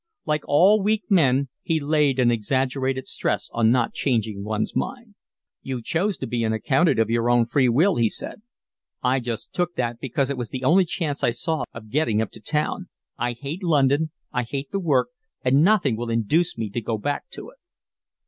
Like all weak men he laid an exaggerated stress on not changing one's mind. "You chose to be an accountant of your own free will," he said. "I just took that because it was the only chance I saw of getting up to town. I hate London, I hate the work, and nothing will induce me to go back to it."